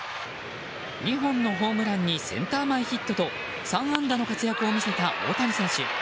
２本のホームランにセンター前ヒットと３安打の活躍を見せた大谷選手。